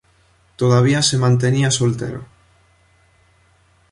Todavía se mantenía soltero.